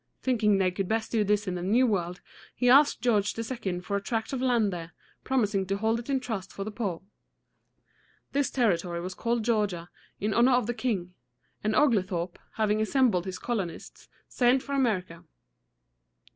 Thinking they could best do this in the New World, he asked George II. for a tract of land there, promising to hold it in trust for the poor. This territory was called Georgia, in honor of the king; and Oglethorpe, having assembled his colonists, sailed for America.